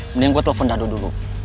mending gua telepon dato dulu